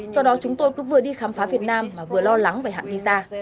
do đó chúng tôi cứ vừa đi khám phá việt nam mà vừa lo lắng về hạng visa